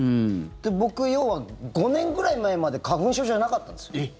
僕、５年ぐらい前まで花粉症じゃなかったんですよ。